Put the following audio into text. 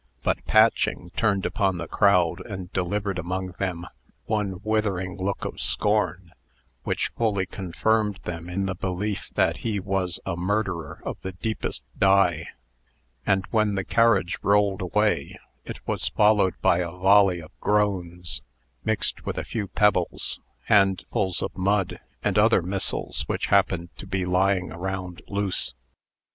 But Patching turned upon the crowd, and delivered among them one withering look of scorn, which fully confirmed them in the belief that he was a murderer of the deepest dye. And when the carriage rolled away, it was followed by a volley of groans, mixed with a few pebbles, handfuls of mud, and other missiles which happened to be lying around loose.